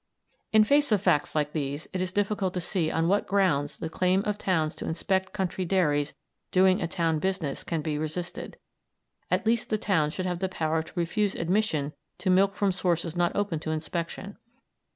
In face of facts like these, it is difficult to see on what grounds the claim of towns to inspect country dairies doing a town business can be resisted. At least the towns should have the power to refuse admission to milk from sources not open to inspection.